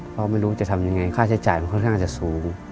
พ่อไม่รู้จะทำอย่างไรค่าใช้จ่ายเห็นค่าจะสูง